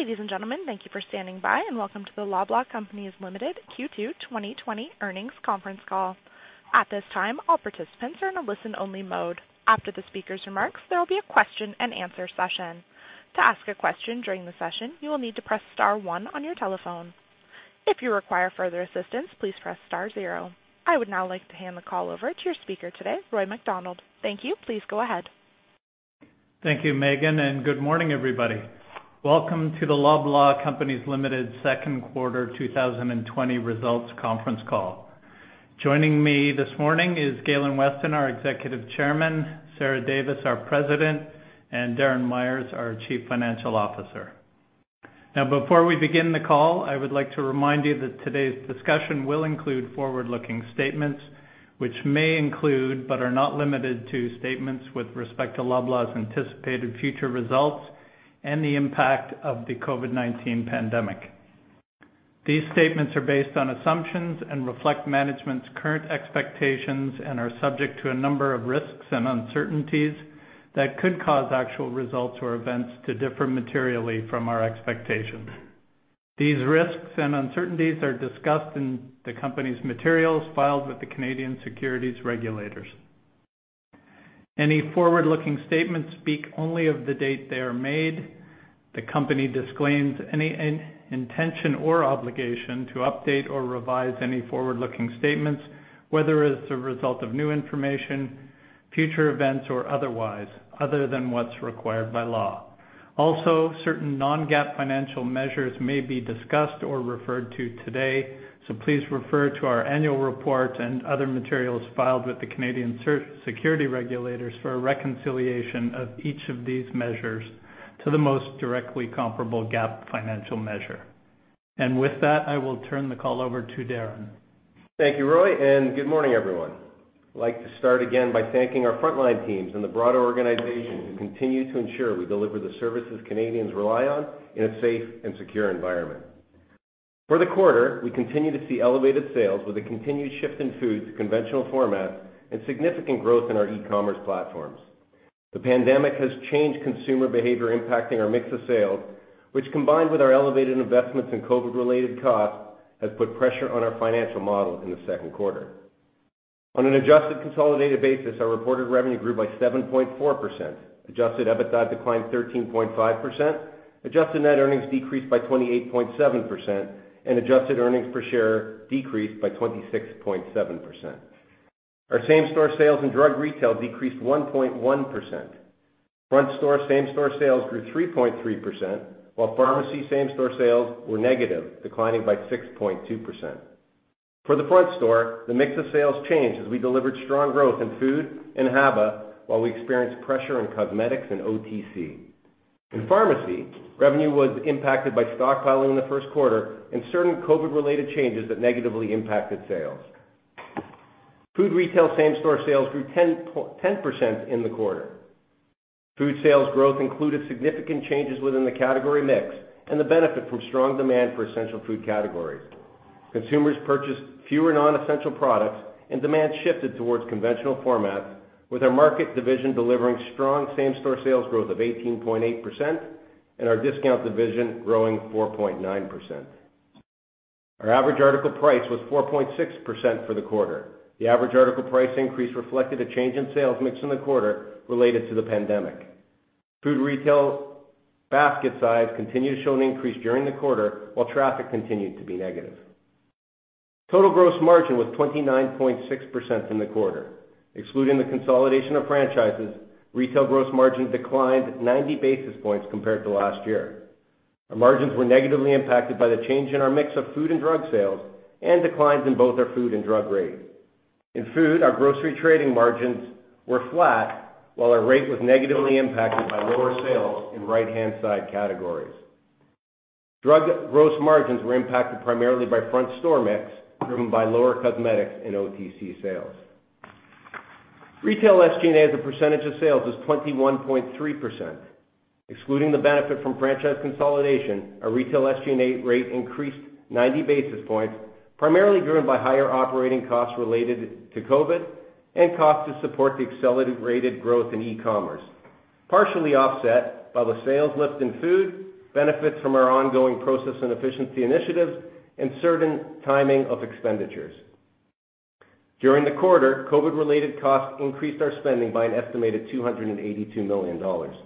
Ladies and gentlemen, thank you for standing by and welcome to the Loblaw Companies Limited Q2 2020 earnings conference call. At this time, all participants are in a listen-only mode. After the speaker's remarks, there will be a question-and-answer session. To ask a question during the session, you will need to press star one on your telephone. If you require further assistance, please press star zero. I would now like to hand the call over to your speaker today, Roy MacDonald. Thank you. Please go ahead. Thank you, Megan, and good morning, everybody. Welcome to the Loblaw Companies Limited second quarter 2020 results conference call. Joining me this morning is Galen Weston, our Executive Chairman, Sarah Davis, our President, and Darren Myers, our Chief Financial Officer. Now, before we begin the call, I would like to remind you that today's discussion will include forward-looking statements, which may include but are not limited to statements with respect to Loblaw's anticipated future results and the impact of the COVID-19 pandemic. These statements are based on assumptions and reflect management's current expectations and are subject to a number of risks and uncertainties that could cause actual results or events to differ materially from our expectations. These risks and uncertainties are discussed in the company's materials filed with the Canadian Securities Regulators. Any forward-looking statements speak only of the date they are made. The company disclaims any intention or obligation to update or revise any forward-looking statements, whether as a result of new information, future events, or otherwise, other than what's required by law. Also, certain non-GAAP financial measures may be discussed or referred to today, so please refer to our annual report and other materials filed with the Canadian Securities Regulators for a reconciliation of each of these measures to the most directly comparable GAAP financial measure. And with that, I will turn the call over to Darren. Thank you, Roy, and good morning, everyone. I'd like to start again by thanking our frontline teams and the broader organization to continue to ensure we deliver the services Canadians rely on in a safe and secure environment. For the quarter, we continue to see elevated sales with a continued shift in food to conventional formats and significant growth in our e-commerce platforms. The pandemic has changed consumer behavior, impacting our mix of sales, which, combined with our elevated investments and COVID-related costs, has put pressure on our financial model in the second quarter. On an adjusted consolidated basis, our reported revenue grew by 7.4%, adjusted EBITDA declined 13.5%, adjusted net earnings decreased by 28.7%, and adjusted earnings per share decreased by 26.7%. Our same-store sales and drug retail decreased 1.1%. Front-store same-store sales grew 3.3%, while pharmacy same-store sales were negative, declining by 6.2%. For the front store, the mix of sales changed as we delivered strong growth in food and HABA, while we experienced pressure in cosmetics and OTC. In pharmacy, revenue was impacted by stockpiling in the first quarter and certain COVID-related changes that negatively impacted sales. Food retail same-store sales grew 10% in the quarter. Food sales growth included significant changes within the category mix and the benefit from strong demand for essential food categories. Consumers purchased fewer non-essential products, and demand shifted towards conventional formats, with our market division delivering strong same-store sales growth of 18.8% and our discount division growing 4.9%. Our average article price was 4.6% for the quarter. The average article price increase reflected a change in sales mix in the quarter related to the pandemic. Food retail basket size continued to show an increase during the quarter, while traffic continued to be negative. Total gross margin was 29.6% in the quarter. Excluding the consolidation of franchises, retail gross margin declined 90 basis points compared to last year. Our margins were negatively impacted by the change in our mix of food and drug sales and declines in both our food and drug rate. In food, our grocery trading margins were flat, while our rate was negatively impacted by lower sales in right-hand side categories. Drug gross margins were impacted primarily by front-store mix, driven by lower cosmetics and OTC sales. Retail SG&A's percentage of sales is 21.3%. Excluding the benefit from franchise consolidation, our retail SG&A rate increased 90 basis points, primarily driven by higher operating costs related to COVID and costs to support the accelerated growth in e-commerce, partially offset by the sales lift in food, benefits from our ongoing process and efficiency initiatives, and certain timing of expenditures. During the quarter, COVID-related costs increased our spending by an estimated 282 million dollars.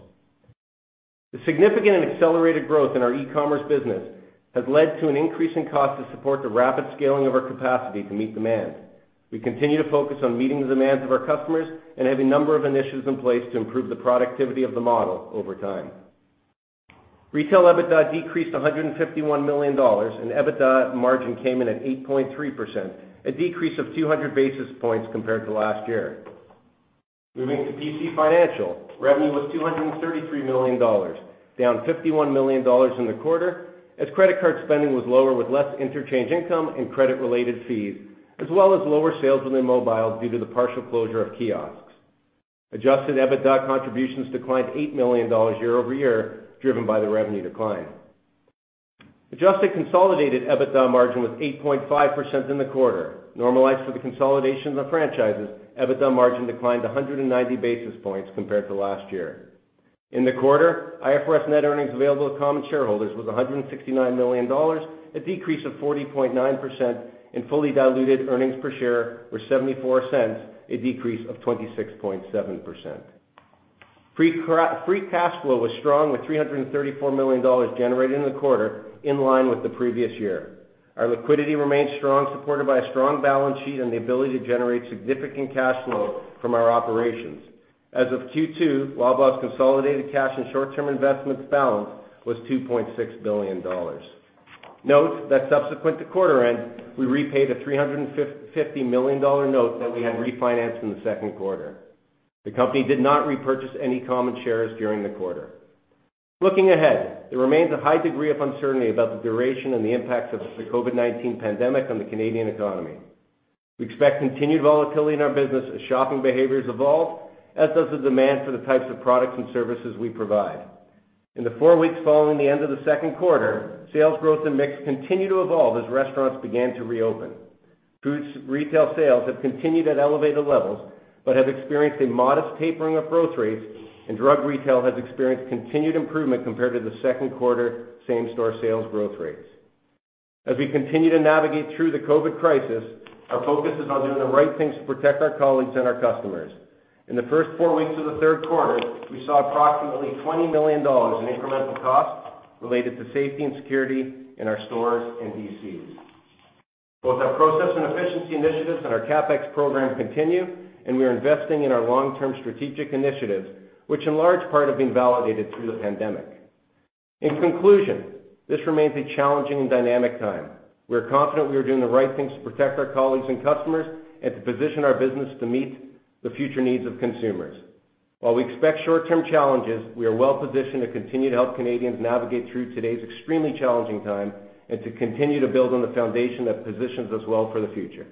The significant and accelerated growth in our e-commerce business has led to an increase in costs to support the rapid scaling of our capacity to meet demand. We continue to focus on meeting the demands of our customers and have a number of initiatives in place to improve the productivity of the model over time. Retail EBITDA decreased 151 million dollars, and EBITDA margin came in at 8.3%, a decrease of 200 basis points compared to last year. Moving to PC Financial, revenue was 233 million dollars, down 51 million dollars in the quarter, as credit card spending was lower with less interchange income and credit-related fees, as well as lower sales within mobile due to the partial closure of kiosks. Adjusted EBITDA contributions declined 8 million dollars year-over-year, driven by the revenue decline. Adjusted consolidated EBITDA margin was 8.5% in the quarter. Normalized for the consolidation of the franchises, EBITDA margin declined 190 basis points compared to last year. In the quarter, IFRS net earnings available to common shareholders was 169 million dollars, a decrease of 40.9%, and fully diluted earnings per share were 0.74, a decrease of 26.7%. Free cash flow was strong, with 334 million dollars generated in the quarter, in line with the previous year. Our liquidity remained strong, supported by a strong balance sheet and the ability to generate significant cash flow from our operations. As of Q2, Loblaw's consolidated cash and short-term investments balance was 2.6 billion dollars. Note that subsequent to quarter end, we repaid a 350 million dollar note that we had refinanced in the second quarter. The company did not repurchase any common shares during the quarter. Looking ahead, there remains a high degree of uncertainty about the duration and the impacts of the COVID-19 pandemic on the Canadian economy. We expect continued volatility in our business as shopping behaviors evolve, as does the demand for the types of products and services we provide. In the four weeks following the end of the second quarter, sales growth and mix continued to evolve as restaurants began to reopen. Food retail sales have continued at elevated levels but have experienced a modest tapering of growth rates, and drug retail has experienced continued improvement compared to the second quarter same-store sales growth rates. As we continue to navigate through the COVID crisis, our focus is on doing the right things to protect our colleagues and our customers. In the first four weeks of the third quarter, we saw approximately 20 million dollars in incremental costs related to safety and security in our stores and DCs. Both our process and efficiency initiatives and our CapEx program continue, and we are investing in our long-term strategic initiatives, which in large part have been validated through the pandemic. In conclusion, this remains a challenging and dynamic time. We are confident we are doing the right things to protect our colleagues and customers and to position our business to meet the future needs of consumers. While we expect short-term challenges, we are well-positioned to continue to help Canadians navigate through today's extremely challenging time and to continue to build on the foundation that positions us well for the future.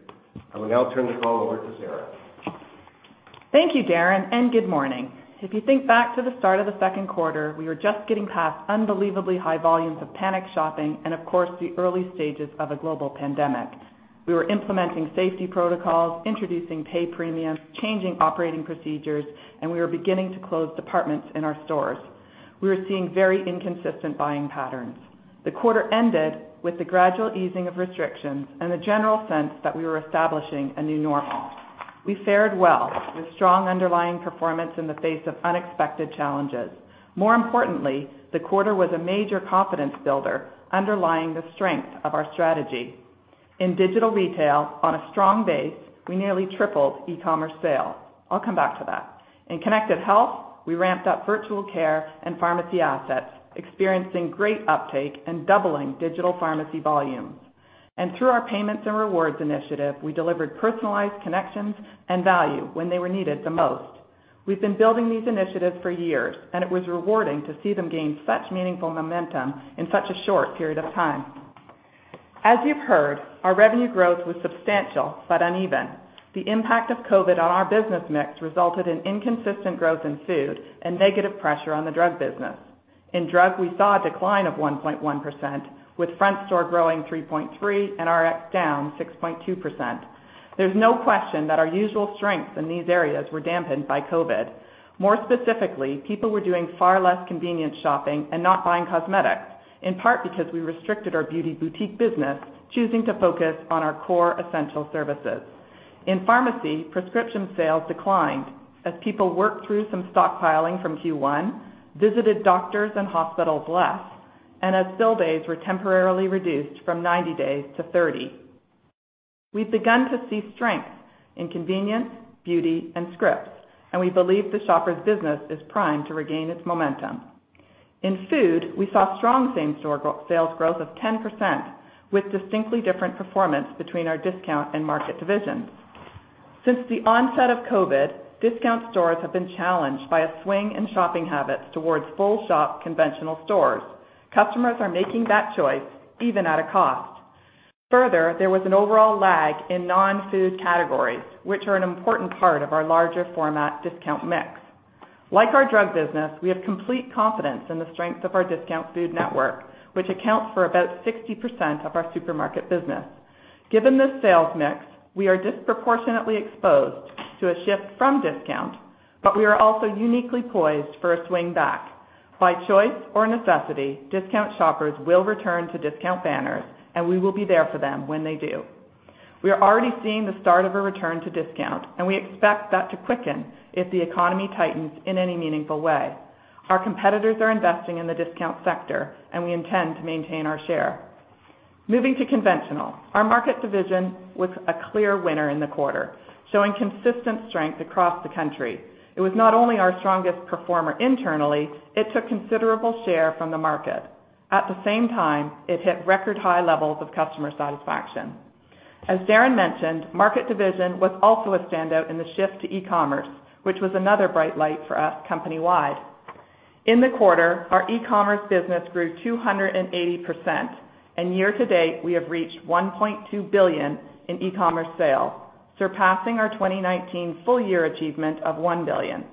I will now turn the call over to Sarah. Thank you, Darren, and good morning. If you think back to the start of the second quarter, we were just getting past unbelievably high volumes of panic shopping and, of course, the early stages of a global pandemic. We were implementing safety protocols, introducing pay premiums, changing operating procedures, and we were beginning to close departments in our stores. We were seeing very inconsistent buying patterns. The quarter ended with the gradual easing of restrictions and the general sense that we were establishing a new normal. We fared well with strong underlying performance in the face of unexpected challenges. More importantly, the quarter was a major confidence builder underlying the strength of our strategy. In digital retail, on a strong base, we nearly tripled e-commerce sales. I'll come back to that. In connected health, we ramped up virtual care and pharmacy assets, experiencing great uptake and doubling digital pharmacy volumes. Through our payments & rewards initiative, we delivered personalized connections and value when they were needed the most. We've been building these initiatives for years, and it was rewarding to see them gain such meaningful momentum in such a short period of time. As you've heard, our revenue growth was substantial but uneven. The impact of COVID on our business mix resulted in inconsistent growth in food and negative pressure on the drug business. In drug, we saw a decline of 1.1%, with front store growing 3.3% and Rx down 6.2%. There's no question that our usual strengths in these areas were dampened by COVID. More specifically, people were doing far less convenience shopping and not buying cosmetics, in part because we restricted our Beauty Boutique business, choosing to focus on our core essential services. In pharmacy, prescription sales declined as people worked through some stockpiling from Q1, visited doctors and hospitals less, and as fill days were temporarily reduced from 90 days to 30. We've begun to see strength in convenience, beauty, and scripts, and we believe the Shoppers' business is primed to regain its momentum. In food, we saw strong same-store sales growth of 10%, with distinctly different performance between our discount and market divisions. Since the onset of COVID, discount stores have been challenged by a swing in shopping habits towards full-shop conventional stores. Customers are making that choice even at a cost. Further, there was an overall lag in non-food categories, which are an important part of our larger format discount mix. Like our drug business, we have complete confidence in the strength of our discount food network, which accounts for about 60% of our supermarket business. Given this sales mix, we are disproportionately exposed to a shift from discount, but we are also uniquely poised for a swing back. By choice or necessity, discount shoppers will return to discount banners, and we will be there for them when they do. We are already seeing the start of a return to discount, and we expect that to quicken if the economy tightens in any meaningful way. Our competitors are investing in the discount sector, and we intend to maintain our share. Moving to conventional, our market division was a clear winner in the quarter, showing consistent strength across the country. It was not only our strongest performer internally. It took considerable share from the market. At the same time, it hit record-high levels of customer satisfaction. As Darren mentioned, market division was also a standout in the shift to e-commerce, which was another bright light for us company-wide. In the quarter, our e-commerce business grew 280%, and year-to-date, we have reached 1.2 billion in e-commerce sales, surpassing our 2019 full-year achievement of 1 billion.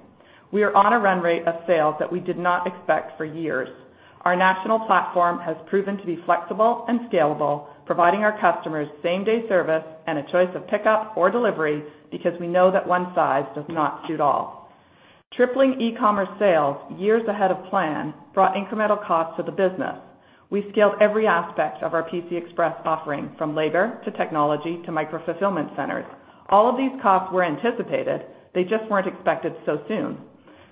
We are on a run rate of sales that we did not expect for years. Our national platform has proven to be flexible and scalable, providing our customers same-day service and a choice of pickup or delivery because we know that one size does not suit all. Tripling e-commerce sales years ahead of plan brought incremental costs to the business. We scaled every aspect of our PC Express offering, from labor to technology to micro-fulfillment centers. All of these costs were anticipated. They just weren't expected so soon.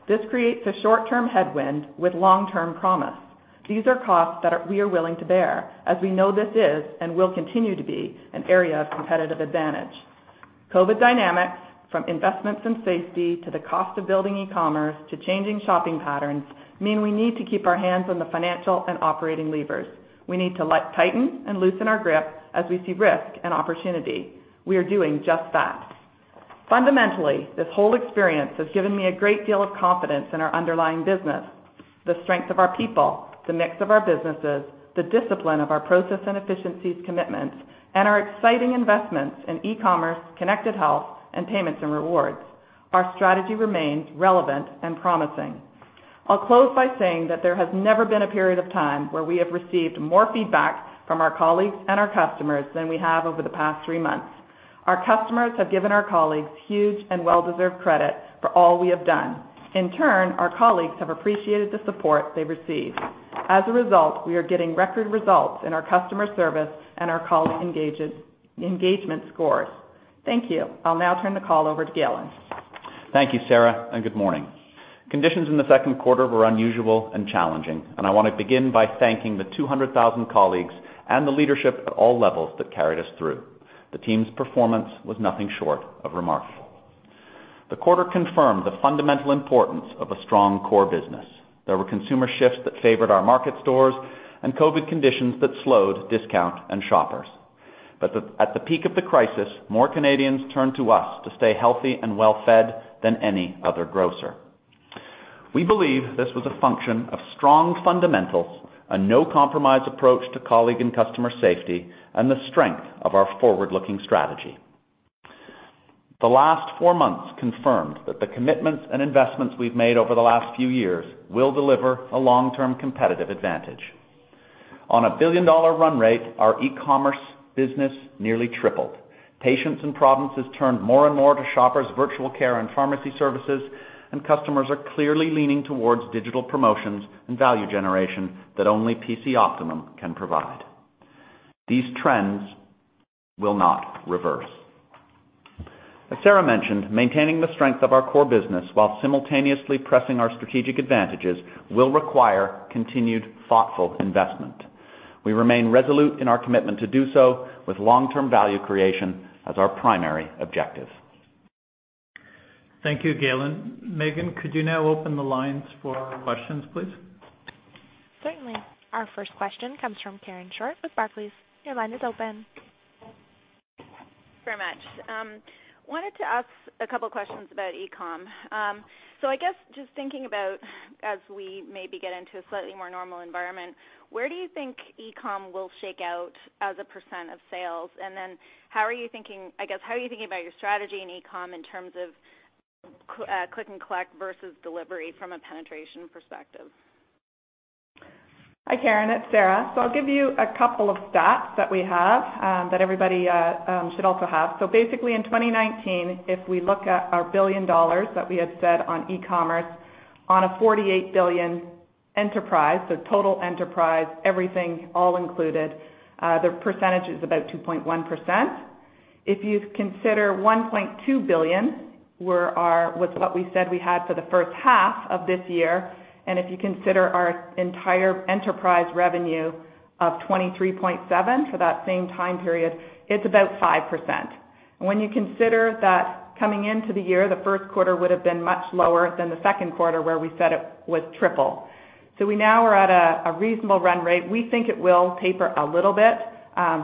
This creates a short-term headwind with long-term promise. These are costs that we are willing to bear, as we know this is and will continue to be an area of competitive advantage. COVID dynamics, from investments in safety to the cost of building e-commerce to changing shopping patterns, mean we need to keep our hands on the financial and operating levers. We need to tighten and loosen our grip as we see risk and opportunity. We are doing just that. Fundamentally, this whole experience has given me a great deal of confidence in our underlying business, the strength of our people, the mix of our businesses, the discipline of our process and efficiencies commitments, and our exciting investments in e-commerce, connected health, and payments & rewards. Our strategy remains relevant and promising. I'll close by saying that there has never been a period of time where we have received more feedback from our colleagues and our customers than we have over the past three months. Our customers have given our colleagues huge and well-deserved credit for all we have done. In turn, our colleagues have appreciated the support they've received. As a result, we are getting record results in our customer service and our colleague engagement scores. Thank you. I'll now turn the call over to Galen. Thank you, Sarah, and good morning. Conditions in the second quarter were unusual and challenging, and I want to begin by thanking the 200,000 colleagues and the leadership at all levels that carried us through. The team's performance was nothing short of remarkable. The quarter confirmed the fundamental importance of a strong core business. There were consumer shifts that favored our market stores and COVID conditions that slowed discount and Shoppers. But at the peak of the crisis, more Canadians turned to us to stay healthy and well-fed than any other grocer. We believe this was a function of strong fundamentals, a no-compromise approach to colleague and customer safety, and the strength of our forward-looking strategy. The last four months confirmed that the commitments and investments we've made over the last few years will deliver a long-term competitive advantage. On a billion-dollar run rate, our e-commerce business nearly tripled. Patients and promises turned more and more to Shoppers' virtual care and pharmacy services, and customers are clearly leaning towards digital promotions and value generation that only PC Optimum can provide. These trends will not reverse. As Sarah mentioned, maintaining the strength of our core business while simultaneously pressing our strategic advantages will require continued thoughtful investment. We remain resolute in our commitment to do so, with long-term value creation as our primary objective. Thank you, Galen. Megan, could you now open the lines for questions, please? Certainly. Our first question comes from Karen Short with Barclays. Your line is open. Very much. I wanted to ask a couple of questions about e-com. So I guess just thinking about, as we maybe get into a slightly more normal environment, where do you think e-com will shake out as a % of sales? And then how are you thinking, I guess, how are you thinking about your strategy in e-com in terms of click and collect versus delivery from a penetration perspective? Hi, Karen. It's Sarah. So I'll give you a couple of stats that we have that everybody should also have. So basically, in 2019, if we look at our 1 billion dollars that we had spent on e-commerce, on a 48 billion enterprise, so total enterprise, everything all included, the percentage is about 2.1%. If you consider 1.2 billion, which was what we spent for the first half of this year, and if you consider our entire enterprise revenue of 23.7 billion for that same time period, it's about 5%. And when you consider that coming into the year, the first quarter would have been much lower than the second quarter, where it tripled. So we now are at a reasonable run rate. We think it will taper a little bit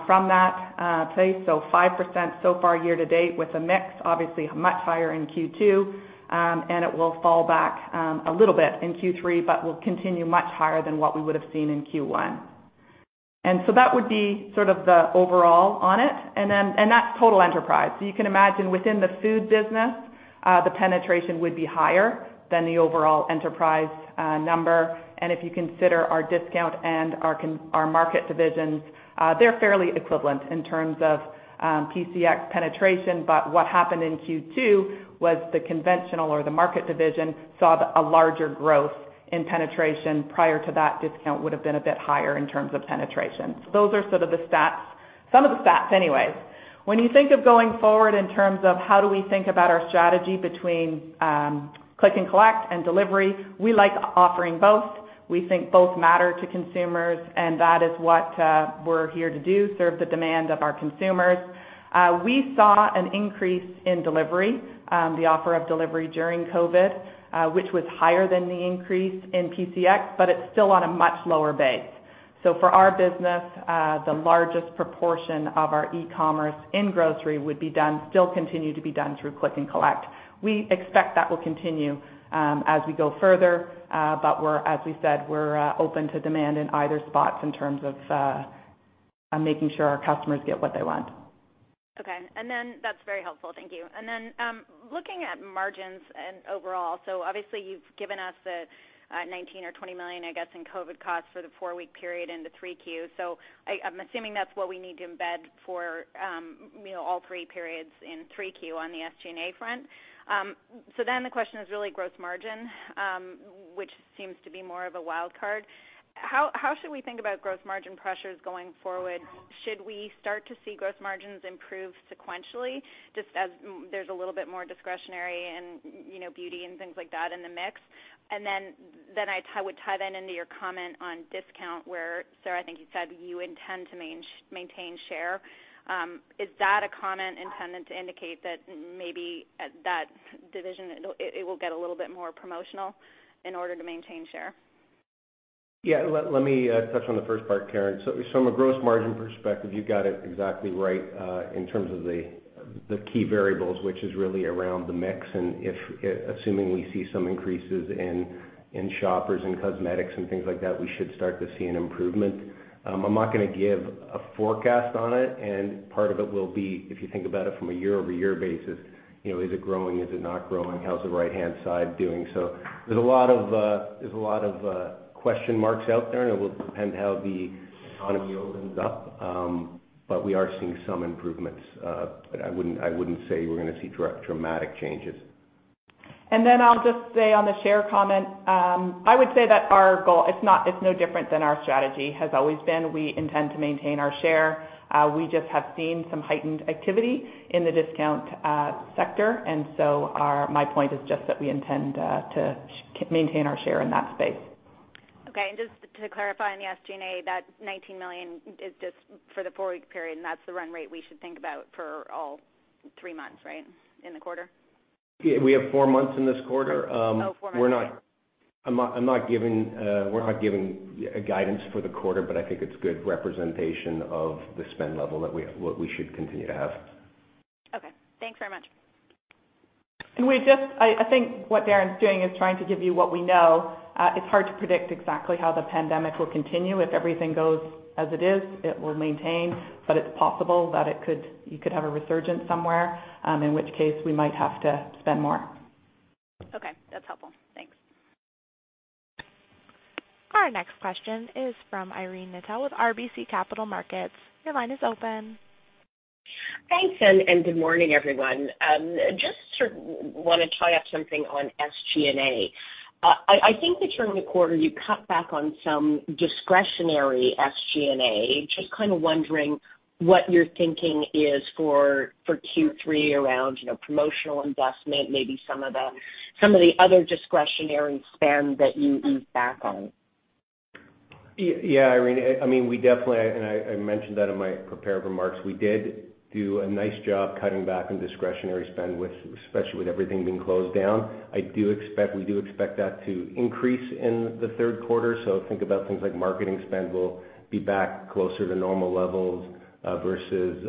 from that place, so 5% so far year-to-date, with a mix obviously much higher in Q2, and it will fall back a little bit in Q3, but will continue much higher than what we would have seen in Q1. And so that would be sort of the overall on it. And that's total enterprise. So you can imagine within the food business, the penetration would be higher than the overall enterprise number. And if you consider our discount and our market divisions, they're fairly equivalent in terms of PCX penetration. But what happened in Q2 was the conventional or the market division saw a larger growth in penetration. Prior to that, discount would have been a bit higher in terms of penetration. So those are sort of the stats, some of the stats anyways. When you think of going forward in terms of how do we think about our strategy between click and collect and delivery, we like offering both. We think both matter to consumers, and that is what we're here to do: serve the demand of our consumers. We saw an increase in delivery, the offer of delivery during COVID, which was higher than the increase in PCX, but it's still on a much lower base. So for our business, the largest proportion of our e-commerce in grocery would be done, still continue to be done through click and collect. We expect that will continue as we go further, but as we said, we're open to demand in either spot in terms of making sure our customers get what they want. Okay. And then that's very helpful. Thank you. And then looking at margins and overall, so obviously you've given us the 19 million or 20 million, I guess, in COVID costs for the four-week period in the 3Q So I'm assuming that's what we need to embed for all three periods in three Q on the SG&A front. So then the question is really gross margin, which seems to be more of a wild card. How should we think about gross margin pressures going forward? Should we start to see gross margins improve sequentially, just as there's a little bit more discretionary and beauty and things like that in the mix? And then I would tie that into your comment on discount where, Sarah, I think you said you intend to maintain share. Is that a comment intended to indicate that maybe that division, it will get a little bit more promotional in order to maintain share? Yeah. Let me touch on the first part, Karen. So, from a gross margin perspective, you got it exactly right in terms of the key variables, which is really around the mix. And, assuming we see some increases in shoppers and cosmetics and things like that, we should start to see an improvement. I'm not going to give a forecast on it, and part of it will be, if you think about it from a year-over-year basis, is it growing? Is it not growing? How's the right-hand side doing? So, there's a lot of question marks out there, and it will depend how the economy opens up. But, we are seeing some improvements, but I wouldn't say we're going to see dramatic changes. Then I'll just say on the share comment, I would say that our goal is no different than our strategy has always been. We intend to maintain our share. We just have seen some heightened activity in the discount sector, and so my point is just that we intend to maintain our share in that space. Okay, and just to clarify on the SG&A, that 19 million is just for the four-week period, and that's the run rate we should think about for all three months, right, in the quarter? Yeah. We have four months in this quarter. Oh, four months. We're not giving guidance for the quarter, but I think it's good representation of the spend level that we should continue to have. Okay. Thanks very much. I think what Darren's doing is trying to give you what we know. It's hard to predict exactly how the pandemic will continue. If everything goes as it is, it will maintain, but it's possible that you could have a resurgence somewhere, in which case we might have to spend more. Okay. That's helpful. Thanks. Our next question is from Irene Nattel with RBC Capital Markets. Your line is open. Thanks, and good morning, everyone. Just want to tie up something on SG&A. I think that during the quarter, you cut back on some discretionary SG&A. Just kind of wondering what your thinking is for Q3 around promotional investment, maybe some of the other discretionary spend that you ease back on? Yeah, Irene. I mean, we definitely, and I mentioned that in my prepared remarks, we did do a nice job cutting back on discretionary spend, especially with everything being closed down. I do expect, we do expect that to increase in the third quarter. So think about things like marketing spend will be back closer to normal levels versus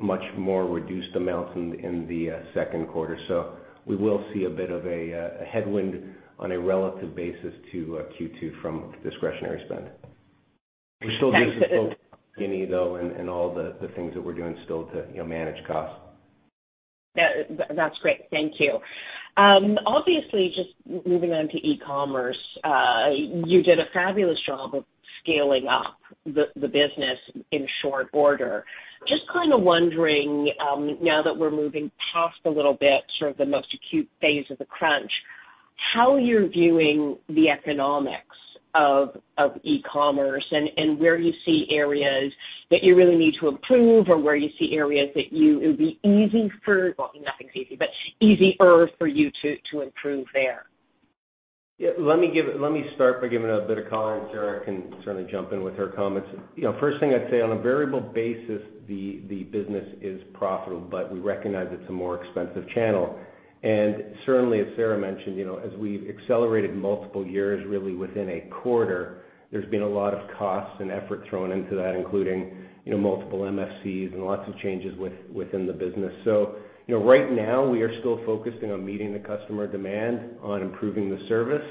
much more reduced amounts in the second quarter. So we will see a bit of a headwind on a relative basis to Q2 from discretionary spend. We're still just focused on Galen, though, and all the things that we're doing still to manage costs. Yeah. That's great. Thank you. Obviously, just moving on to e-commerce, you did a fabulous job of scaling up the business in short order. Just kind of wondering, now that we're moving past a little bit sort of the most acute phase of the crunch, how you're viewing the economics of e-commerce and where you see areas that you really need to improve or where you see areas that it would be easy for, well, nothing's easy, but easy or for you to improve there? Yeah. Let me start by giving a bit of comment. Sarah can certainly jump in with her comments. First thing I'd say, on a variable basis, the business is profitable, but we recognize it's a more expensive channel. And certainly, as Sarah mentioned, as we've accelerated multiple years really within a quarter, there's been a lot of costs and effort thrown into that, including multiple MFCs and lots of changes within the business. So right now, we are still focusing on meeting the customer demand, on improving the service,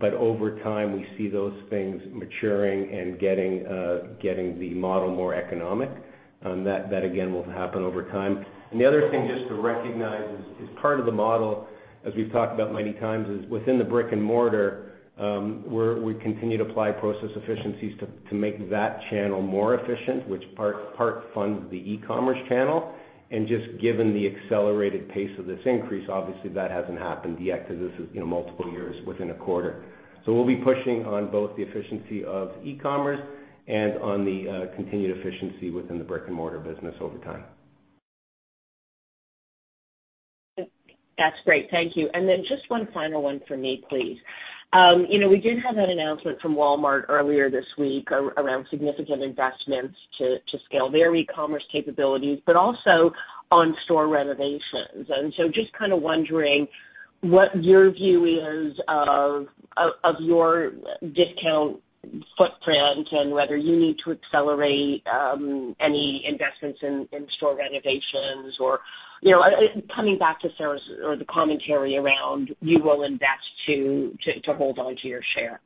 but over time, we see those things maturing and getting the model more economic. That, again, will happen over time. And the other thing just to recognize is part of the model, as we've talked about many times, is within the brick-and-mortar, we continue to apply process efficiencies to make that channel more efficient, which part funds the e-commerce channel. And just given the accelerated pace of this increase, obviously, that hasn't happened yet because this is multiple years within a quarter. So we'll be pushing on both the efficiency of e-commerce and on the continued efficiency within the brick-and-mortar business over time. That's great. Thank you. And then just one final one for me, please. We did have an announcement from Walmart earlier this week around significant investments to scale their e-commerce capabilities, but also on store renovations. And so just kind of wondering what your view is of your discount footprint and whether you need to accelerate any investments in store renovations or coming back to Sarah's or the commentary around you will invest to hold on to your share?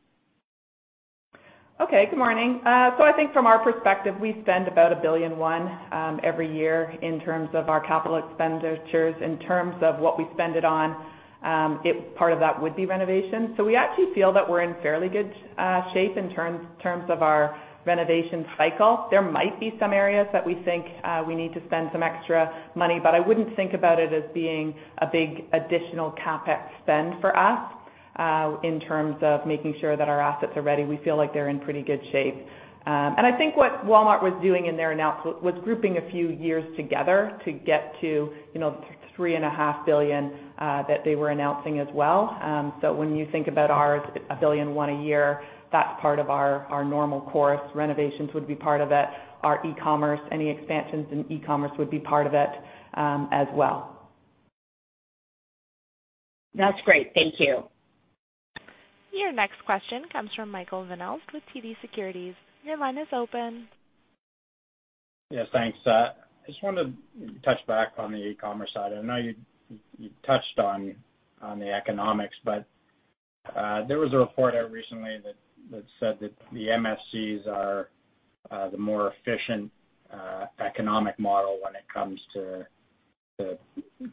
Okay. Good morning. So I think from our perspective, we spend about 1 billion every year in terms of our capital expenditures. In terms of what we spend it on, part of that would be renovations. So we actually feel that we're in fairly good shape in terms of our renovation cycle. There might be some areas that we think we need to spend some extra money, but I wouldn't think about it as being a big additional CapEx spend for us in terms of making sure that our assets are ready. We feel like they're in pretty good shape. And I think what Walmart was doing in their announcement was grouping a few years together to get to $3.5 billion that they were announcing as well. So when you think about ours, 1 billion a year, that's part of our normal course. Renovations would be part of it. Our e-commerce, any expansions in e-commerce would be part of it as well. That's great. Thank you. Your next question comes from Michael Van Aelst with TD Securities. Your line is open. Yes. Thanks. I just wanted to touch back on the e-commerce side. I know you touched on the economics, but there was a report out recently that said that the MFCs are the more efficient economic model when it comes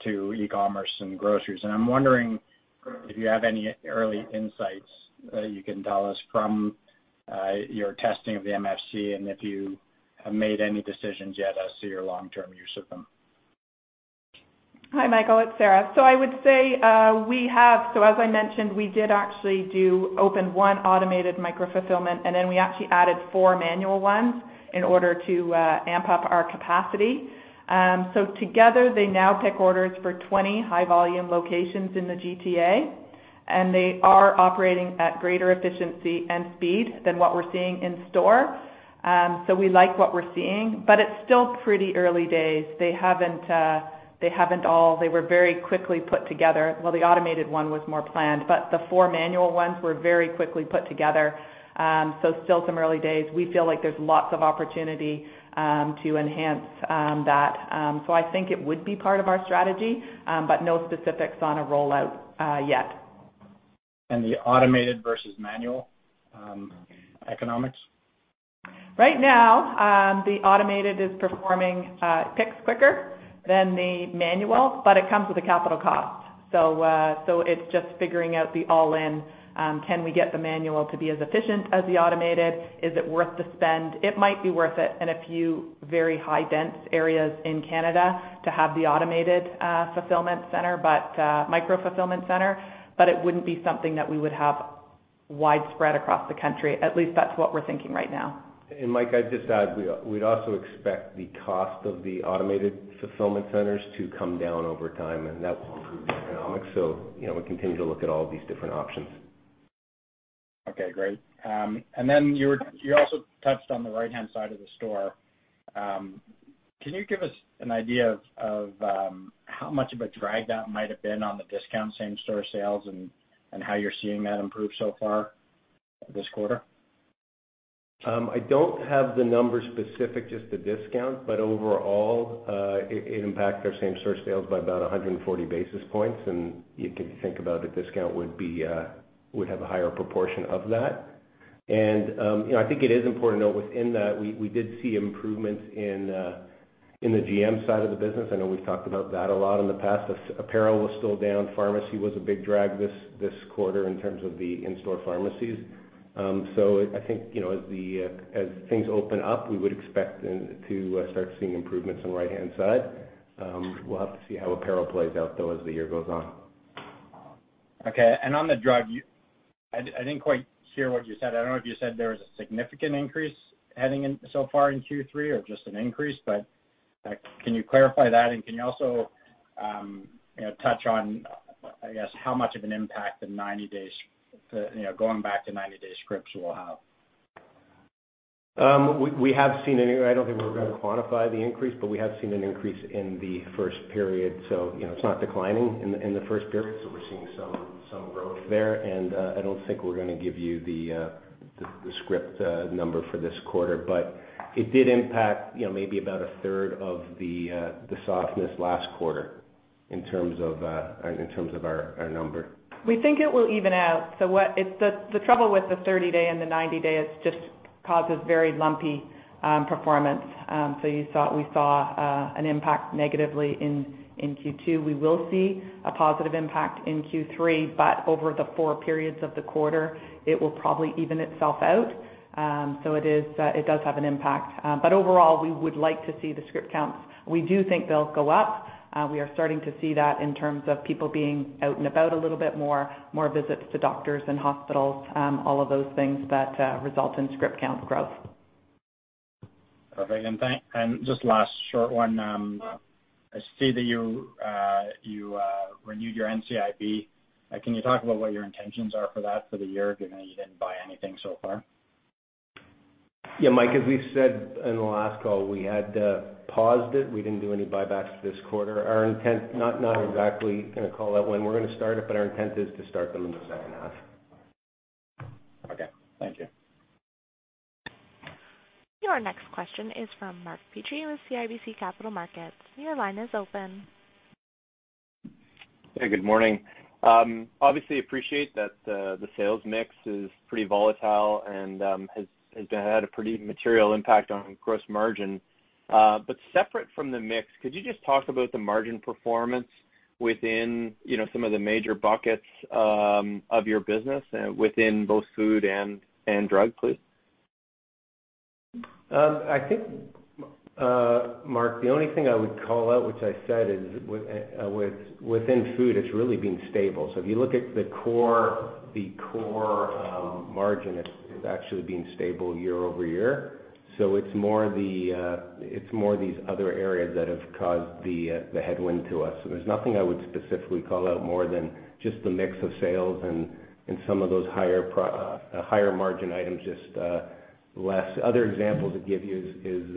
to e-commerce and groceries, and I'm wondering if you have any early insights that you can tell us from your testing of the MFC and if you have made any decisions yet as to your long-term use of them. Hi, Michael. It's Sarah. I would say we have, so as I mentioned, we did actually open one automated micro-fulfillment, and then we actually added four manual ones in order to amp up our capacity. So together, they now pick orders for 20 high-volume locations in the GTA, and they are operating at greater efficiency and speed than what we're seeing in store. We like what we're seeing, but it's still pretty early days. They haven't all. They were very quickly put together. The automated one was more planned, but the four manual ones were very quickly put together. Still some early days. We feel like there's lots of opportunity to enhance that. I think it would be part of our strategy, but no specifics on a rollout yet. The automated versus manual economics? Right now, the automated is performing picks quicker than the manual, but it comes with a capital cost. So it's just figuring out the all-in. Can we get the manual to be as efficient as the automated? Is it worth the spend? It might be worth it in a few very high-density areas in Canada to have the automated fulfillment center, but micro-fulfillment center, but it wouldn't be something that we would have widespread across the country. At least that's what we're thinking right now. And Mike, I'd just add we'd also expect the cost of the automated fulfillment centers to come down over time, and that will improve the economics. So we continue to look at all these different options. Okay. Great. And then you also touched on the right-hand side of the store. Can you give us an idea of how much of a drag that might have been on the discount same-store sales and how you're seeing that improve so far this quarter? I don't have the number specific, just the discount, but overall, it impacted our same-store sales by about 140 basis points, and you can think about the discount would have a higher proportion of that, and I think it is important to note within that we did see improvements in the GM side of the business. I know we've talked about that a lot in the past. Apparel was still down. Pharmacy was a big drag this quarter in terms of the in-store pharmacies, so I think as things open up, we would expect to start seeing improvements on the right-hand side. We'll have to see how Apparel plays out, though, as the year goes on. Okay. And on the drug, I didn't quite hear what you said. I don't know if you said there was a significant increase heading in so far in Q3 or just an increase, but can you clarify that? And can you also touch on, I guess, how much of an impact the 90-day, going back to 90-day scripts will have? We have seen an. I don't think we're going to quantify the increase, but we have seen an increase in the first period. So it's not declining in the first period, so we're seeing some growth there. And I don't think we're going to give you the script number for this quarter, but it did impact maybe about a third of the softness last quarter in terms of our number. We think it will even out. So the trouble with the 30-day and the 90-day is just causes very lumpy performance. So we saw an impact negatively in Q2. We will see a positive impact in Q3, but over the four periods of the quarter, it will probably even itself out. So it does have an impact. But overall, we would like to see the script counts - we do think they'll go up. We are starting to see that in terms of people being out and about a little bit more, more visits to doctors and hospitals, all of those things that result in script count growth. Perfect. And just last short one. I see that you renewed your NCIB. Can you talk about what your intentions are for that for the year, given that you didn't buy anything so far? Yeah. Mike, as we said in the last call, we had paused it. We didn't do any buybacks this quarter. Our intent, not exactly going to call that when we're going to start it, but our intent is to start them in the second half. Okay. Thank you. Your next question is from Mark Petrie with CIBC Capital Markets. Your line is open. Hey. Good morning. Obviously, appreciate that the sales mix is pretty volatile and has had a pretty material impact on gross margin. But separate from the mix, could you just talk about the margin performance within some of the major buckets of your business within both food and drug, please? I think, Mark, the only thing I would call out, which I said, is within food, it's really been stable. So if you look at the core margin, it's actually been stable year over year. So it's more these other areas that have caused the headwind to us. And there's nothing I would specifically call out more than just the mix of sales and some of those higher margin items, just less. Other examples to give you is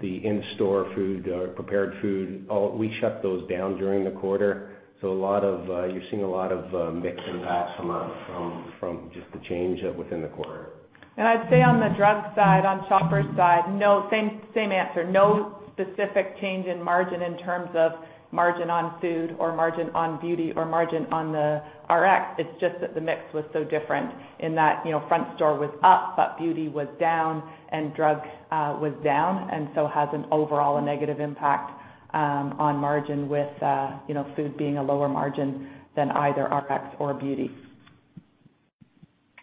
the in-store food or prepared food. We shut those down during the quarter. So you're seeing a lot of mix and match from just the change within the quarter. I'd say on the drug side, on Shoppers' side, same answer. No specific change in margin in terms of margin on food or margin on beauty or margin on the Rx. It's just that the mix was so different in that front store was up, but beauty was down, and drug was down, and so has an overall negative impact on margin with food being a lower margin than either Rx or beauty.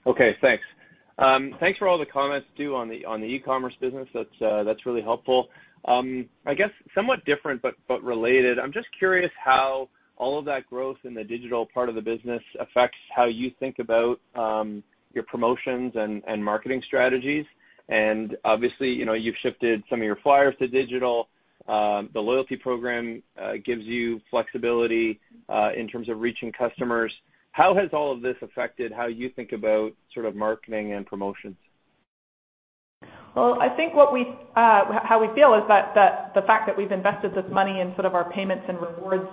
Okay. Thanks. Thanks for all the comments due on the e-commerce business. That's really helpful. I guess somewhat different but related. I'm just curious how all of that growth in the digital part of the business affects how you think about your promotions and marketing strategies. And obviously, you've shifted some of your flyers to digital. The loyalty program gives you flexibility in terms of reaching customers. How has all of this affected how you think about sort of marketing and promotions? I think how we feel is that the fact that we've invested this money in sort of our payments & rewards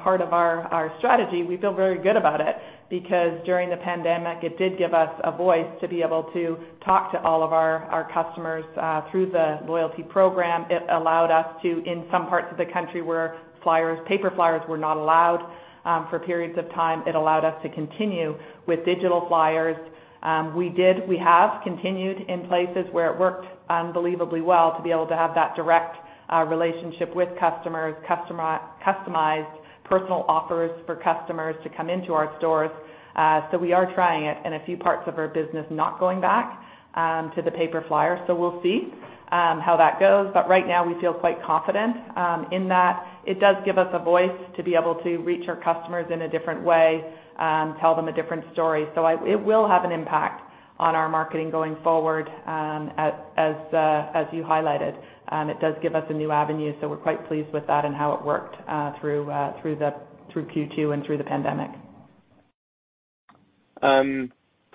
part of our strategy, we feel very good about it because during the pandemic, it did give us a voice to be able to talk to all of our customers through the loyalty program. It allowed us to, in some parts of the country where paper flyers were not allowed for periods of time, it allowed us to continue with digital flyers. We have continued in places where it worked unbelievably well to be able to have that direct relationship with customers, customized personal offers for customers to come into our stores. So we are trying it in a few parts of our business, not going back to the paper flyer. So we'll see how that goes. But right now, we feel quite confident in that. It does give us a voice to be able to reach our customers in a different way, tell them a different story, so it will have an impact on our marketing going forward, as you highlighted. It does give us a new avenue, so we're quite pleased with that and how it worked through Q2 and through the pandemic.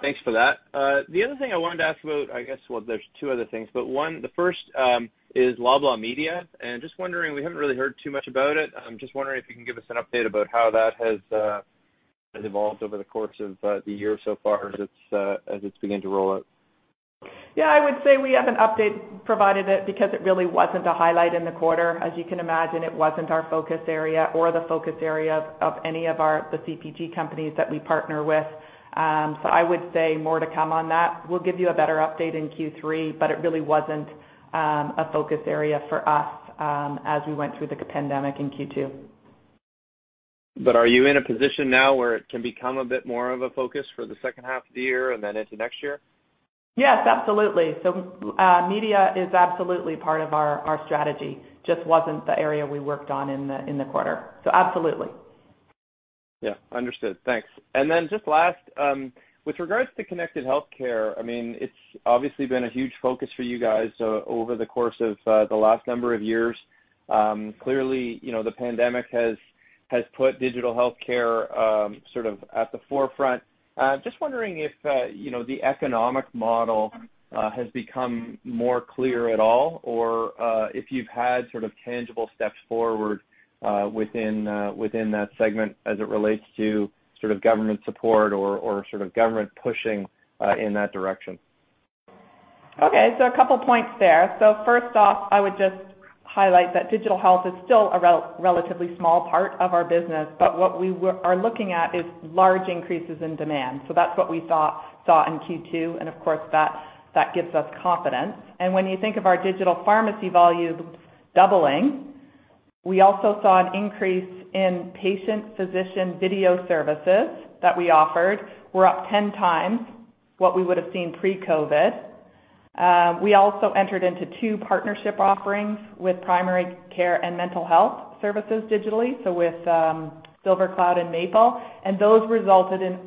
Thanks for that. The other thing I wanted to ask about, I guess, well, there's two other things, but one, the first is Loblaw Media, and just wondering, we haven't really heard too much about it. I'm just wondering if you can give us an update about how that has evolved over the course of the year so far as it's beginning to roll out? Yeah. I would say we have an update provided because it really wasn't a highlight in the quarter. As you can imagine, it wasn't our focus area or the focus area of any of the CPG companies that we partner with. So I would say more to come on that. We'll give you a better update in Q3, but it really wasn't a focus area for us as we went through the pandemic in Q2. But are you in a position now where it can become a bit more of a focus for the second half of the year and then into next year? Yes. Absolutely. So media is absolutely part of our strategy. Just wasn't the area we worked on in the quarter. So absolutely. Yeah. Understood. Thanks. And then just last, with regards to connected healthcare, I mean, it's obviously been a huge focus for you guys over the course of the last number of years. Clearly, the pandemic has put digital healthcare sort of at the forefront. Just wondering if the economic model has become more clear at all or if you've had sort of tangible steps forward within that segment as it relates to sort of government support or sort of government pushing in that direction. Okay. So a couple of points there. So first off, I would just highlight that digital health is still a relatively small part of our business, but what we are looking at is large increases in demand. So that's what we saw in Q2. And of course, that gives us confidence. And when you think of our digital pharmacy volume doubling, we also saw an increase in patient-physician video services that we offered. We're up 10 times what we would have seen pre-COVID. We also entered into two partnership offerings with primary care and mental health services digitally, so with SilverCloud and Maple. And those resulted in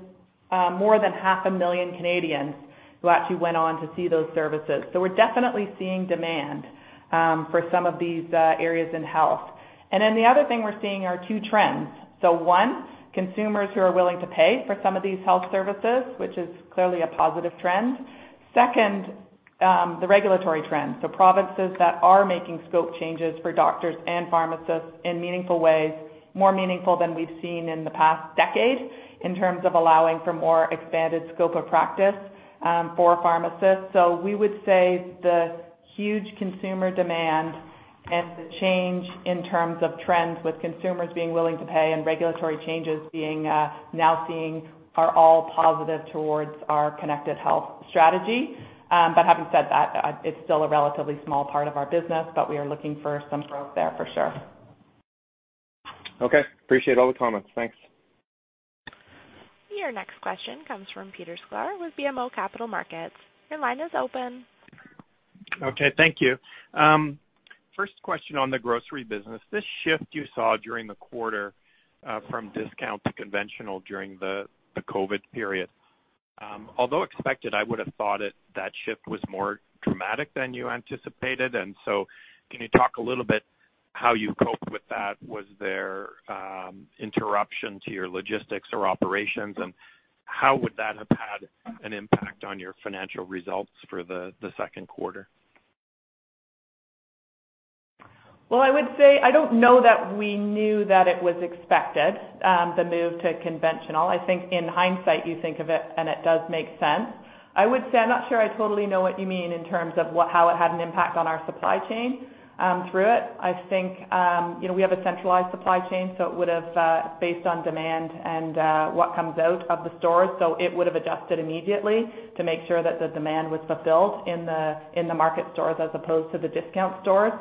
more than 500,000 Canadians who actually went on to see those services. So we're definitely seeing demand for some of these areas in health. And then the other thing we're seeing are two trends. So one, consumers who are willing to pay for some of these health services, which is clearly a positive trend. Second, the regulatory trend. So provinces that are making scope changes for doctors and pharmacists in meaningful ways, more meaningful than we've seen in the past decade in terms of allowing for more expanded scope of practice for pharmacists. So we would say the huge consumer demand and the change in terms of trends with consumers being willing to pay and regulatory changes being now seen are all positive towards our connected health strategy. But having said that, it's still a relatively small part of our business, but we are looking for some growth there for sure. Okay. Appreciate all the comments. Thanks. Your next question comes from Peter Sklar with BMO Capital Markets. Your line is open. Okay. Thank you. First question on the grocery business. This shift you saw during the quarter from discount to conventional during the COVID period, although expected, I would have thought that shift was more dramatic than you anticipated. And so can you talk a little bit how you coped with that? Was there interruption to your logistics or operations? And how would that have had an impact on your financial results for the second quarter? I would say I don't know that we knew that it was expected, the move to conventional. I think in hindsight, you think of it, and it does make sense. I would say I'm not sure I totally know what you mean in terms of how it had an impact on our supply chain through it. I think we have a centralized supply chain, so it would have based on demand and what comes out of the stores. So it would have adjusted immediately to make sure that the demand was fulfilled in the market stores as opposed to the discount stores.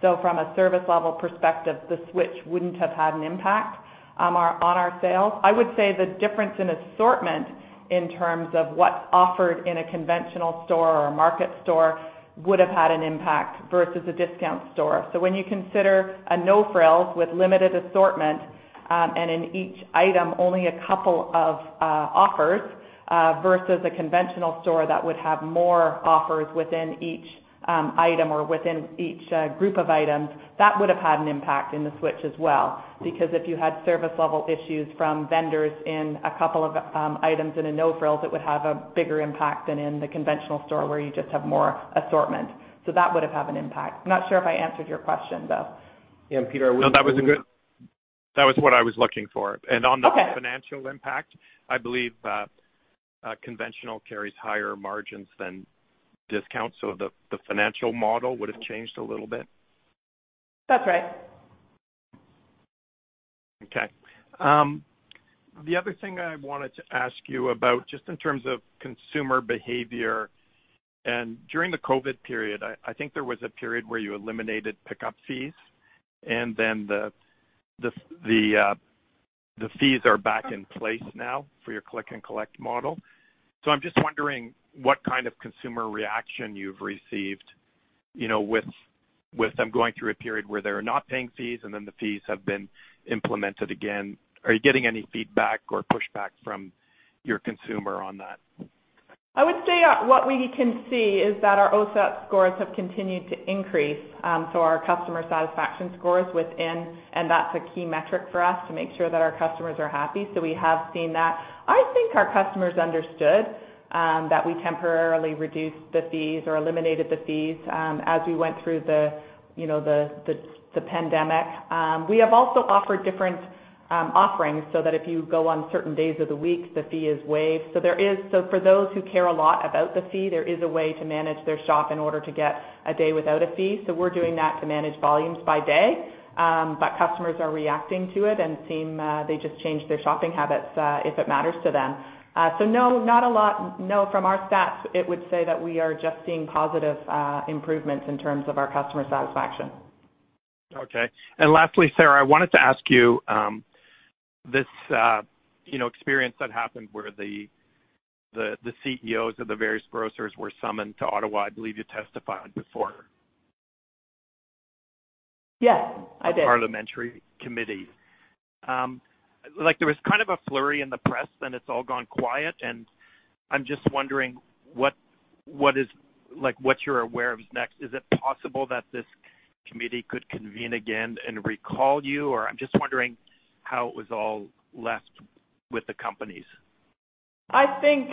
So from a service-level perspective, the switch wouldn't have had an impact on our sales. I would say the difference in assortment in terms of what's offered in a conventional store or a market store would have had an impact versus a discount store. So when you consider a No Frills with limited assortment and in each item only a couple of offers versus a conventional store that would have more offers within each item or within each group of items, that would have had an impact in the switch as well. Because if you had service-level issues from vendors in a couple of items in a No Frills, it would have a bigger impact than in the conventional store where you just have more assortment. So that would have had an impact. I'm not sure if I answered your question, though. Yeah, and Peter, I would. No, that was good. That was what I was looking for. And on the financial impact, I believe conventional carries higher margins than discounts, so the financial model would have changed a little bit. That's right. Okay. The other thing I wanted to ask you about just in terms of consumer behavior and during the COVID period, I think there was a period where you eliminated pickup fees, and then the fees are back in place now for your click-and-collect model. So I'm just wondering what kind of consumer reaction you've received with them going through a period where they're not paying fees and then the fees have been implemented again. Are you getting any feedback or pushback from your consumer on that? I would say what we can see is that our OSAT scores have continued to increase. So our customer satisfaction scores within, and that's a key metric for us to make sure that our customers are happy. So we have seen that. I think our customers understood that we temporarily reduced the fees or eliminated the fees as we went through the pandemic. We have also offered different offerings so that if you go on certain days of the week, the fee is waived. So for those who care a lot about the fee, there is a way to manage their shop in order to get a day without a fee. So we're doing that to manage volumes by day. But customers are reacting to it and seem they just changed their shopping habits if it matters to them. So no, not a lot. No, from our stats, it would say that we are just seeing positive improvements in terms of our customer satisfaction. Okay. And lastly, Sarah, I wanted to ask you this experience that happened where the CEOs of the various grocers were summoned to Ottawa. I believe you testified before. Yes. I did. The parliamentary committee. There was kind of a flurry in the press, then it's all gone quiet, and I'm just wondering what you're aware of next. Is it possible that this committee could convene again and recall you, or I'm just wondering how it was all left with the companies. I think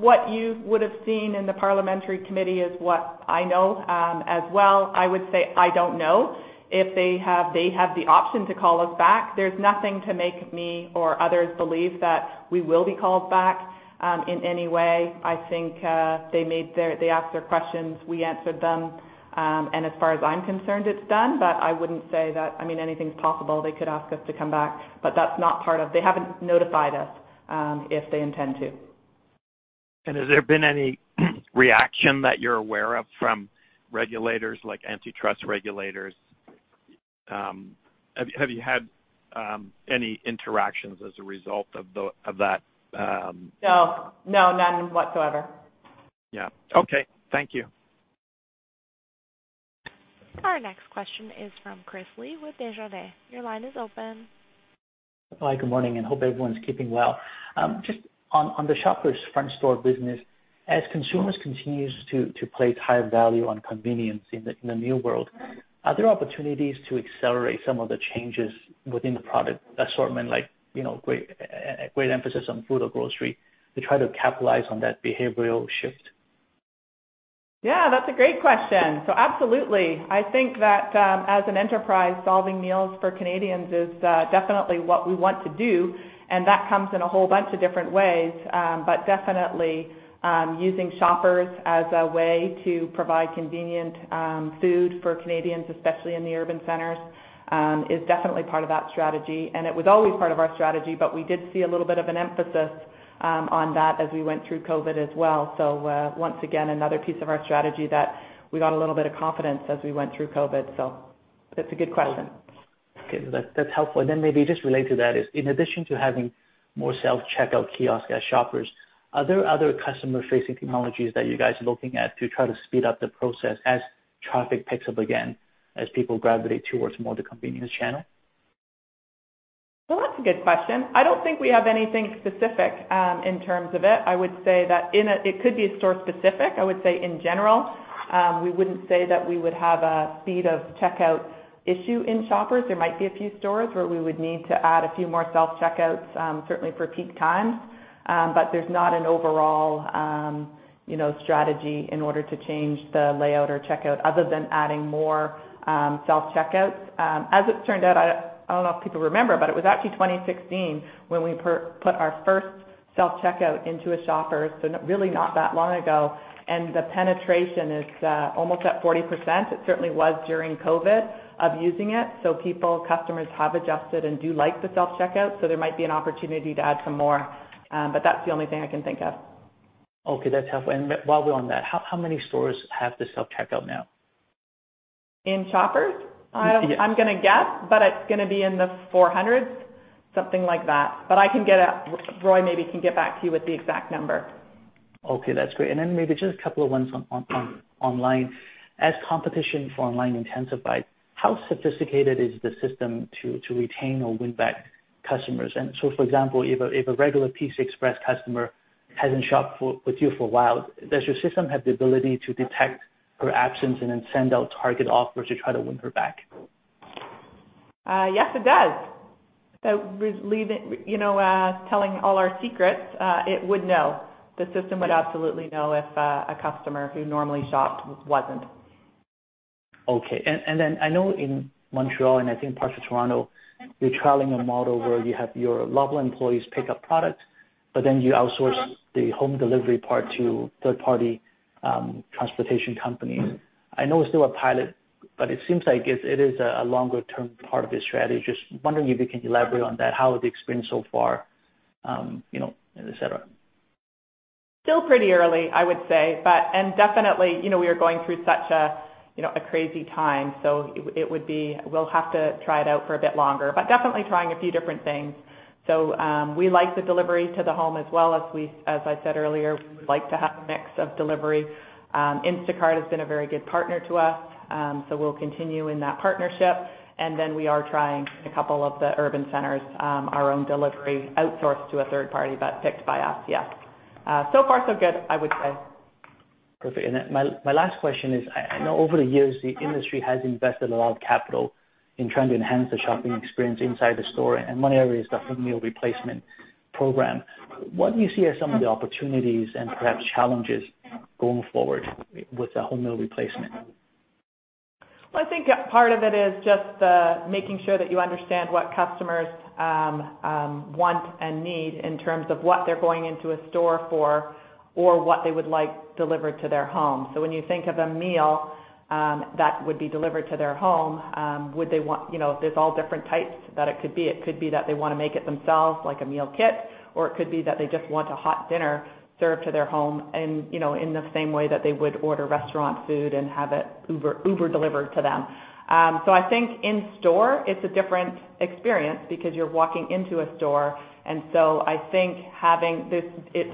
what you would have seen in the parliamentary committee is what I know as well. I would say I don't know if they have the option to call us back. There's nothing to make me or others believe that we will be called back in any way. I think they asked their questions. We answered them, and as far as I'm concerned, it's done, but I wouldn't say that. I mean, anything's possible. They could ask us to come back, but that's not part of it. They haven't notified us if they intend to. Has there been any reaction that you're aware of from regulators, like antitrust regulators? Have you had any interactions as a result of that? No. No, none whatsoever. Yeah. Okay. Thank you. Our next question is from Chris Li with Desjardins. Your line is open. Hi. Good morning, and hope everyone's keeping well. Just on the Shoppers' front store business, as consumers continue to place higher value on convenience in the new world, are there opportunities to accelerate some of the changes within the product assortment, like great emphasis on food or grocery, to try to capitalize on that behavioral shift? Yeah. That's a great question. So absolutely. I think that as an enterprise, solving meals for Canadians is definitely what we want to do. And that comes in a whole bunch of different ways. But definitely, using Shoppers as a way to provide convenient food for Canadians, especially in the urban centers, is definitely part of that strategy. And it was always part of our strategy, but we did see a little bit of an emphasis on that as we went through COVID as well. So once again, another piece of our strategy that we got a little bit of confidence as we went through COVID. So that's a good question. Okay. That's helpful. And then maybe just relate to that is, in addition to having more self-checkout kiosks at Shoppers, are there other customer-facing technologies that you guys are looking at to try to speed up the process as traffic picks up again, as people gravitate towards more of the convenience channel? That's a good question. I don't think we have anything specific in terms of it. I would say that it could be store-specific. I would say in general, we wouldn't say that we would have a speed of checkout issue in Shoppers. There might be a few stores where we would need to add a few more self-checkouts, certainly for peak times. But there's not an overall strategy in order to change the layout or checkout other than adding more self-checkouts. As it turned out, I don't know if people remember, but it was actually 2016 when we put our first self-checkout into a Shoppers, so really not that long ago. And the penetration is almost at 40%. It certainly was during COVID of using it. So customers have adjusted and do like the self-checkout. So there might be an opportunity to add some more. But that's the only thing I can think of. Okay. That's helpful. And while we're on that, how many stores have the self-checkout now? In shoppers? Yes. I'm going to guess, but it's going to be in the 400s, something like that. But Roy maybe can get back to you with the exact number. Okay. That's great. And then maybe just a couple of ones online. As competition for online intensifies, how sophisticated is the system to retain or win back customers? And so for example, if a regular PC Express customer hasn't shopped with you for a while, does your system have the ability to detect her absence and then send out target offers to try to win her back? Yes, it does. So, telling all our secrets, it would know. The system would absolutely know if a customer who normally shopped wasn't. Okay. And then I know in Montreal and I think parts of Toronto, you're trialing a model where you have your Loblaw employees pick up products, but then you outsource the home delivery part to third-party transportation companies. I know it's still a pilot, but it seems like it is a longer-term part of your strategy. Just wondering if you can elaborate on that, how is the experience so far, etc.? Still pretty early, I would say. And definitely, we are going through such a crazy time. So it would be we'll have to try it out for a bit longer. But definitely trying a few different things. So we like the delivery to the home as well as, as I said earlier, we would like to have a mix of delivery. Instacart has been a very good partner to us, so we'll continue in that partnership. And then we are trying in a couple of the urban centers our own delivery outsourced to a third party, but picked by us, yes. So far, so good, I would say. Perfect. And then my last question is, over the years, the industry has invested a lot of capital in trying to enhance the shopping experience inside the store. And one area is the home meal replacement program. What do you see as some of the opportunities and perhaps challenges going forward with the home meal replacement? I think part of it is just making sure that you understand what customers want and need in terms of what they're going into a store for or what they would like delivered to their home. When you think of a meal that would be delivered to their home, would they want? There's all different types that it could be. It could be that they want to make it themselves, like a meal kit, or it could be that they just want a hot dinner served to their home in the same way that they would order restaurant food and have it Uber-delivered to them. I think in store, it's a different experience because you're walking into a store. I think having this,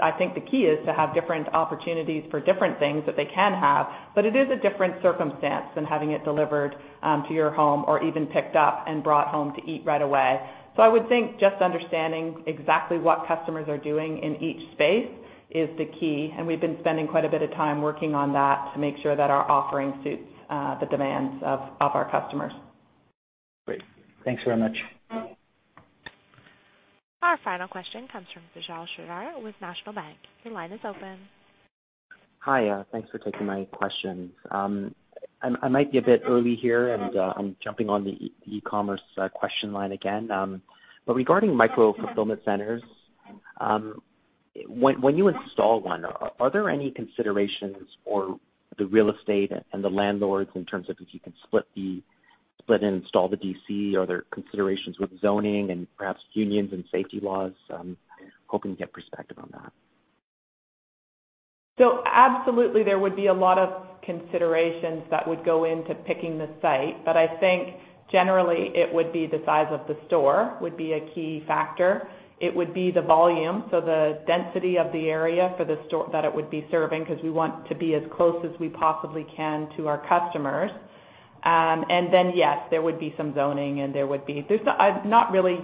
I think the key is to have different opportunities for different things that they can have. But it is a different circumstance than having it delivered to your home or even picked up and brought home to eat right away. So I would think just understanding exactly what customers are doing in each space is the key. And we've been spending quite a bit of time working on that to make sure that our offering suits the demands of our customers. Great. Thanks very much. Our final question comes from Vishal Shreedhar with National Bank. Your line is open. Hi. Thanks for taking my questions. I might be a bit early here, and I'm jumping on the e-commerce question line again. But regarding micro-fulfillment centers, when you install one, are there any considerations for the real estate and the landlords in terms of if you can split and install the DC? Are there considerations with zoning and perhaps unions and safety laws? Hoping to get perspective on that. So absolutely, there would be a lot of considerations that would go into picking the site. But I think generally, it would be the size of the store would be a key factor. It would be the volume, so the density of the area for the store that it would be serving because we want to be as close as we possibly can to our customers. And then, yes, there would be some zoning, and there would be, not really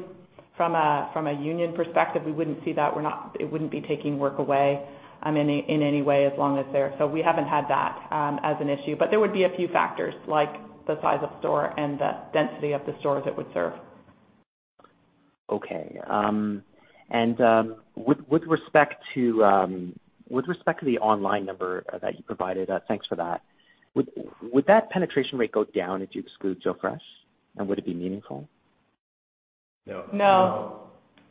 from a union perspective, we wouldn't see that. It wouldn't be taking work away in any way as long as they're, so we haven't had that as an issue. But there would be a few factors like the size of the store and the density of the stores it would serve. Okay. And with respect to the online number that you provided, thanks for that. Would that penetration rate go down if you exclude Joe Fresh? And would it be meaningful? No. No.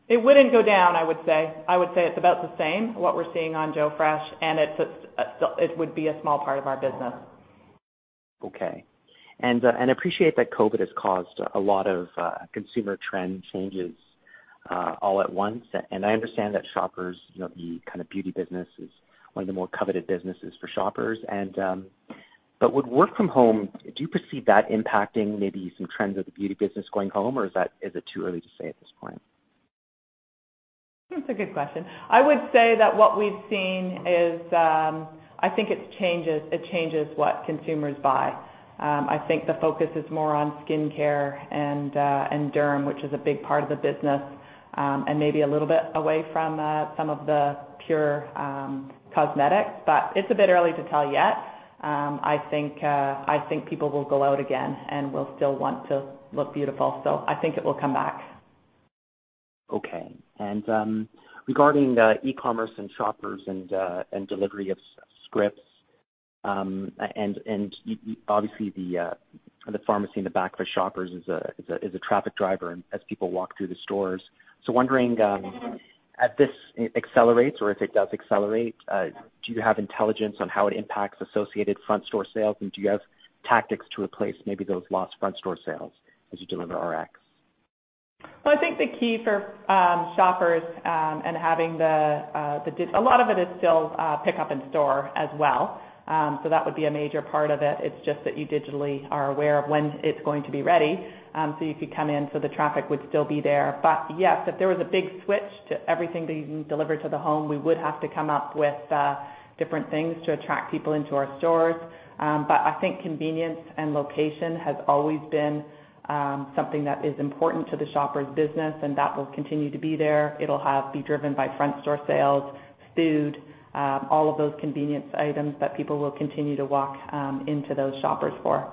It wouldn't go down, I would say. I would say it's about the same what we're seeing on Joe Fresh, and it would be a small part of our business. Okay. And I appreciate that COVID has caused a lot of consumer trend changes all at once. And I understand that Shoppers, the kind of beauty business, is one of the more coveted businesses for shoppers. But with work from home, do you perceive that impacting maybe some trends of the beauty business going home, or is it too early to say at this point? That's a good question. I would say that what we've seen is I think it changes what consumers buy. I think the focus is more on skincare and derm, which is a big part of the business, and maybe a little bit away from some of the pure cosmetics. But it's a bit early to tell yet. I think people will go out again and will still want to look beautiful. So I think it will come back. Okay, and regarding e-commerce and shoppers and delivery of scripts, and obviously, the pharmacy in the back for shoppers is a traffic driver as people walk through the stores, so wondering, as this accelerates or if it does accelerate, do you have intelligence on how it impacts associated front store sales, and do you have tactics to replace maybe those lost front store sales as you deliver Rx? I think the key for Shoppers and having a lot of it is still pick up in store as well, so that would be a major part of it. It's just that you digitally are aware of when it's going to be ready, so you could come in, so the traffic would still be there. But yes, if there was a big switch to everything being delivered to the home, we would have to come up with different things to attract people into our stores. But I think convenience and location has always been something that is important to the Shoppers business, and that will continue to be there. It'll be driven by front store sales, food, all of those convenience items that people will continue to walk into those Shoppers for.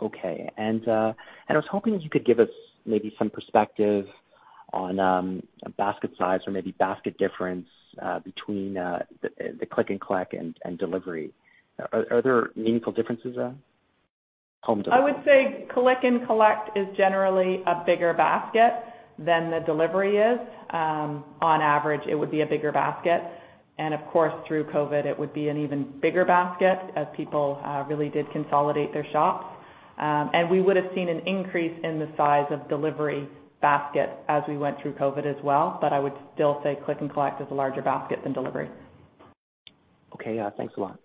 Okay. And I was hoping you could give us maybe some perspective on basket size or maybe basket difference between the click and collect and delivery. Are there meaningful differences there? Home delivery. I would say click and collect is generally a bigger basket than the delivery is. On average, it would be a bigger basket, and of course, through COVID, it would be an even bigger basket as people really did consolidate their shops, and we would have seen an increase in the size of delivery baskets as we went through COVID as well, but I would still say click and collect is a larger basket than delivery. Okay. Yeah. Thanks a lot.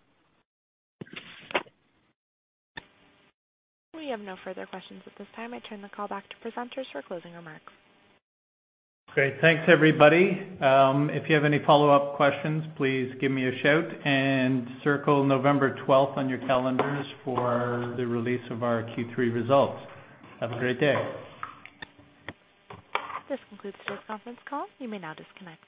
We have no further questions at this time. I turn the call back to presenters for closing remarks. Great. Thanks, everybody. If you have any follow-up questions, please give me a shout and circle November 12th on your calendars for the release of our Q3 results. Have a great day. This concludes today's conference call. You may now disconnect.